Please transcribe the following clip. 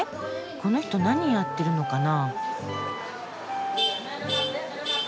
この人何やってるのかな？